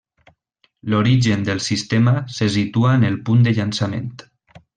L'origen del sistema se situa en el punt de llançament.